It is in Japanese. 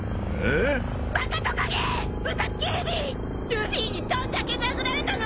ルフィにどんだけ殴られたの！？